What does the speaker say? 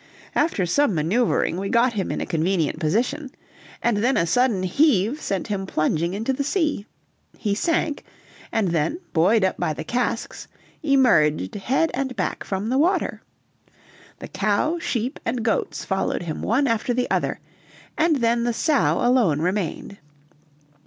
After some maneuvering we got him in a convenient position, and then a sudden heave sent him plunging into the sea. He sank, and then, buoyed up by the casks, emerged head and back from the water. The cow, sheep, and goats followed him one after the other, and then the sow alone remained.